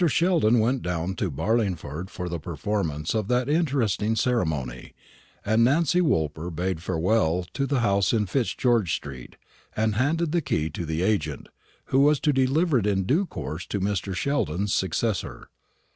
Sheldon went down to Barlingford for the performance of that interesting ceremony; and Nancy Woolper bade farewell to the house in Fitzgeorge street, and handed the key to the agent, who was to deliver it in due course to Mr. Sheldon's successor.